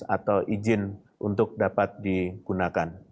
atau izin untuk dapat digunakan